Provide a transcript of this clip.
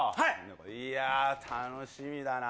いやー、楽しみだな。